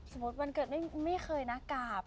วันเกิดไม่เคยนะกราบ